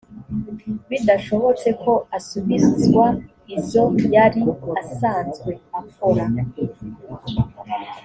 bidashobotse ko asubizwa izo yari asanzwe akora